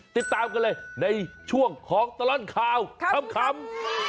ติดตามกันเลยในช่วงของตลอดข่าวขำ